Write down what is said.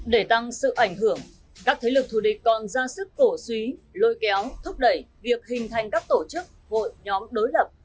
để tăng sự ảnh hưởng các thế lực thù địch còn ra sức cổ suý lôi kéo thúc đẩy việc hình thành các tổ chức hội nhóm đối lập